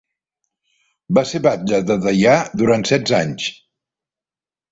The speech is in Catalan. Va ser batlle de Deià durant setze anys.